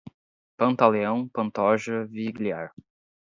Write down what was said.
Pantaleão, Pantoja, Vigliar